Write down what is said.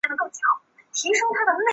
康保二年去世。